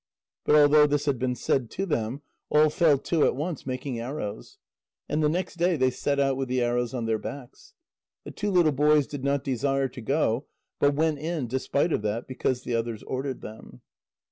'" But although this had been said to them, all fell to at once making arrows. And the next day they set out with the arrows on their backs. The two little boys did not desire to go, but went in despite of that, because the others ordered them.